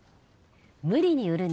「無理に売るな」